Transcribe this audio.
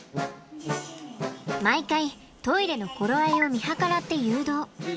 毎回トイレの頃合いを見計らって誘導。